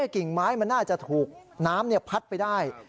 กิ่งไม้มันน่าจะถูกน้ำพัดไปได้